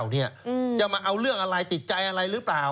เอ๊ะจะมาเอาเรื่องอะไรติดใจไหนหรือเปล่า